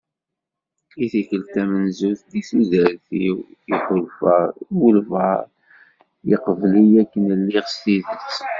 I tikkelt tamenzut deg tudert-iw i ḥulfaɣ i wabɛaḍ yeqbel-iyi akken lliɣ s tidet.